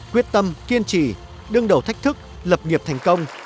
quyết tâm kiên trì đương đầu thách thức lập nghiệp thành công